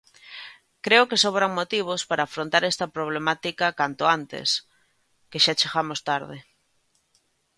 Creo que sobran motivos para afrontar esta problemática canto antes, que xa chegamos tarde.